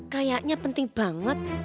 kayaknya penting banget